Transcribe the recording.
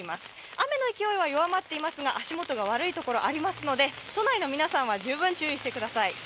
雨の勢いは弱まっていますが、足元が悪いところがありますので、都内の皆さんは十分注意してください。